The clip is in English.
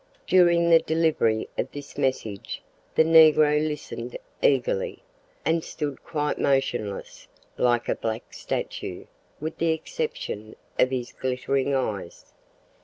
During the delivery of this message, the negro listened eagerly, and stood quite motionless, like a black statue, with the exception of his glittering eyes.